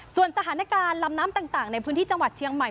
ส่วนสถานการณ์ลำน้ำต่างในพื้นที่จังหวัดเชียงใหม่